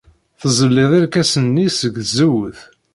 Tzellid irkasen-nni seg tzewwut.